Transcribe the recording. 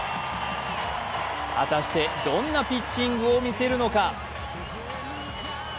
果たしてどんなピッチングを見せるのか。